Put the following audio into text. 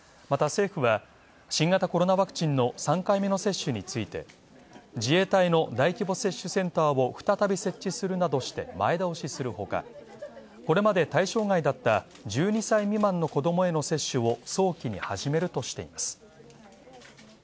また、政府は新型コロナワクチンの３回目の接種について自衛隊の大規模接種センターを再び設置するなどして前倒しするほか、これまで対象外だった１２歳未満の子供への接種を早期に始めるとしています。